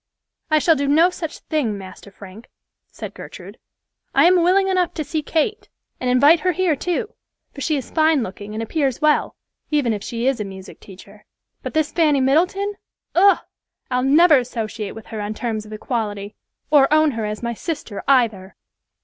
"I shall do no such thing, Master Frank," said Gertrude. "I am willing enough to see Kate, and invite her here too, for she is fine looking and appears well, even if she is a music teacher; but this Fanny Middleton—Ugh! I'll never associate with her on terms of equality, or own her as my sister either."